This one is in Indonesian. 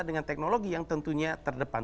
dan teknologi yang tentunya terdepan